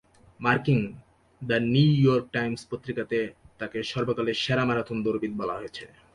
মার্কিন "the New York Times" পত্রিকাতে তাকে "সর্বকালের সেরা ম্যারাথন দৌড়বিদ" বলা হয়েছে।